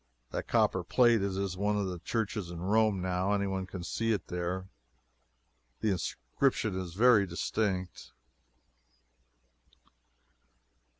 That copper plate is in one of the churches in Rome, now. Any one can see it there. The inscription is very distinct.